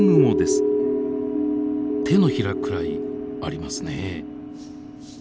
手のひらくらいありますね。